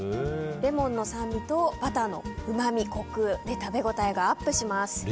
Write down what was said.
レモンの酸味とバターのうまみ、コクで食べ応えがアップします。